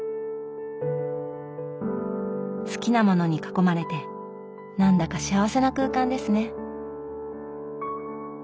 好きなものに囲まれてなんだか幸せな空間ですね。